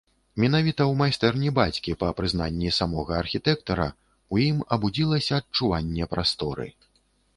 Менавіта ў майстэрні бацькі, па прызнанні самога архітэктара, у ім абудзілася адчуванне прасторы.